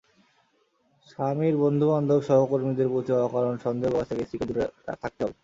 স্বামীর বন্ধুবান্ধব, সহকর্মীদের প্রতি অকারণ সন্দেহ প্রকাশ থেকে স্ত্রীকে দূরে থাকতে হবে।